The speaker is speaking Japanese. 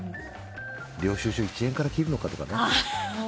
領収書１円から切るのか、とかね。